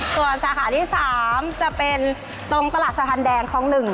ส่วนสาขาที่๓จะเป็นตรงตลาดสะทันแดงของหนึ่ง